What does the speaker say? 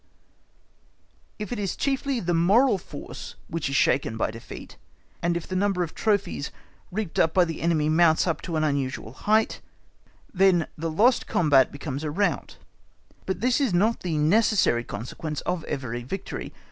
If it is chiefly the moral force which is shaken by defeat, and if the number of trophies reaped by the enemy mounts up to an unusual height, then the lost combat becomes a rout, but this is not the necessary consequence of every victory.